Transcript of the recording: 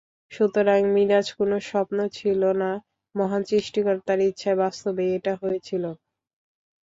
সুতরাং মিরাজ কোনো স্বপ্ন ছিল না, মহান সৃষ্টিকর্তার ইচ্ছায় বাস্তবেই এটা হয়েছিল।